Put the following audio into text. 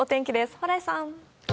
蓬莱さん。